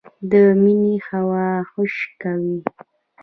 د مني هوا خشکه وي